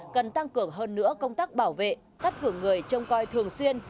cần tăng cường hơn nữa công tác bảo vệ cắt cử người trông coi thường xuyên